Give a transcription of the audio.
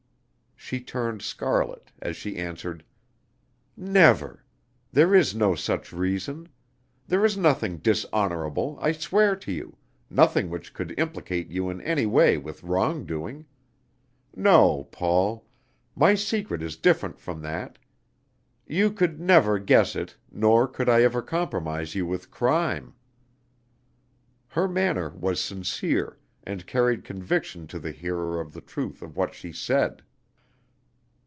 She turned scarlet as she answered: "Never! There is no such reason. There is nothing dishonorable, I swear to you nothing which could implicate you in any way with wrong doing. No, Paul; my secret is different from that. You could never guess it, nor could I ever compromise you with crime." Her manner was sincere, and carried conviction to the hearer of the truth of what she said.